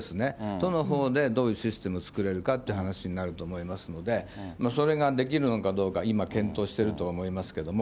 都のほうで、どういうシステムを作れるかっていう話になると思いますので、それができるのかどうか、今、検討していると思いますけれども。